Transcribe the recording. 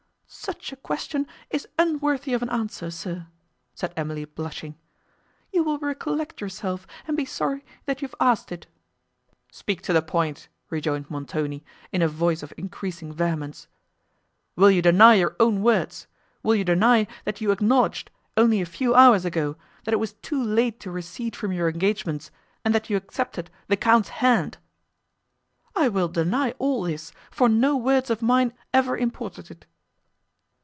"Such a question is unworthy of an answer, sir;" said Emily blushing; "you will recollect yourself, and be sorry that you have asked it." "Speak to the point," rejoined Montoni, in a voice of increasing vehemence. "Will you deny your own words; will you deny, that you acknowledged, only a few hours ago, that it was too late to recede from your engagements, and that you accepted the Count's hand?" "I will deny all this, for no words of mine ever imported it."